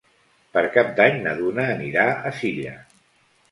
Per Cap d'Any na Duna anirà a Silla.